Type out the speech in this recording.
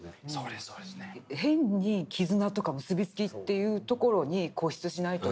変に絆とか結び付きというところに固執しないというか。